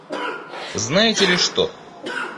Знаете ли что?